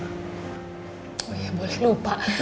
oh ya boleh lupa